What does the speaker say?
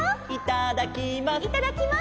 「いただきます」